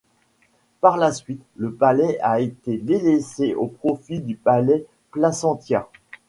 Par la suite, le palais a été délaissé au profit du Palais de Placentia.